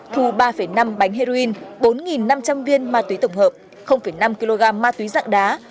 thu ba năm bánh heroin bốn năm trăm linh viên ma túy tổng hợp năm kg ma túy dạng đá